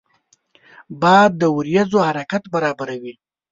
باد د وریځو حرکت برابروي